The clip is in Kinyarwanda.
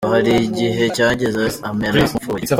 Ngo hari igihe cyageze amera nk’ upfuye.